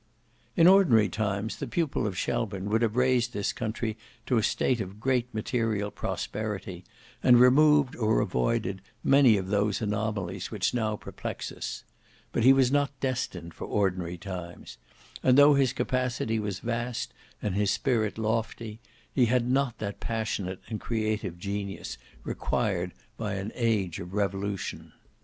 In ordinary times the pupil of Shelburne would have raised this country to a state of great material prosperity, and removed or avoided many of those anomalies which now perplex us; but he was not destined for ordinary times; and though his capacity was vast and his spirit lofty, he had not that passionate and creative genius required by an age of revolution.